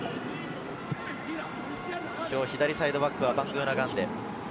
左サイドバックはバングーナガンデ。